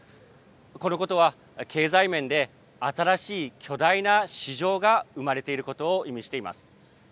このことは、経済面で新しい巨大な市場が生まれていることを意味しています。